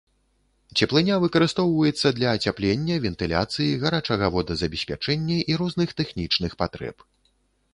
Цеплыня выкарыстоўваецца для ацяплення, вентыляцыі, гарачага водазабеспячэння і розных тэхнічных патрэб.